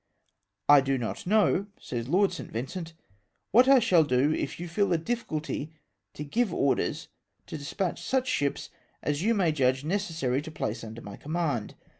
" I do not know," Sciys Lord St. Vincent, " what I shall do if you feel a difficulty to give orders to despatch such sliips as you may judge necessary to place under my com mand.